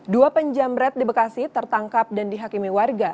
dua penjamret di bekasi tertangkap dan dihakimi warga